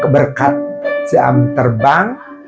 berkat si am terbang